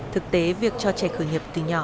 thực tế việc cho trẻ khởi nghiệp từ nhỏ